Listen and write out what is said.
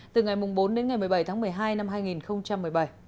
từ ngày bốn đến ngày một mươi bảy tháng một mươi hai năm hai nghìn một mươi bảy